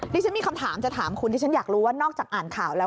ดิฉันมีคำถามจะถามคุณที่ฉันอยากรู้ว่านอกจากอ่านข่าวแล้ว